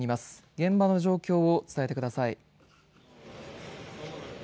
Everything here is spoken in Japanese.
現場の状況を伝えてください。